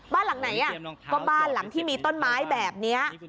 บ้านหลังไหนก็บ้านหลังที่มีต้นไม้แบบนี้